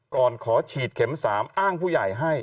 ขอฉีดเข็ม๓อ้างผู้ใหญ่ให้